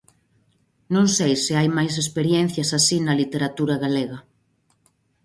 Non sei se hai máis experiencias así na literatura galega.